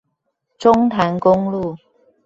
中潭公路